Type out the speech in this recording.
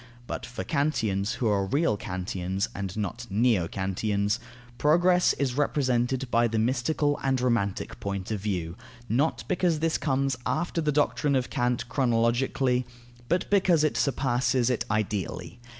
But for Kantians, who are real Kantians (and not neo Kantians), progress is represented by the mystical and romantic point of view; not because this comes after the doctrine of Kant chronologically, but because it surpasses it ideally.